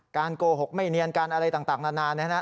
การโกหกไม่เนียนกันอะไรต่างนานนะฮะ